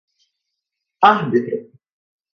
árbitro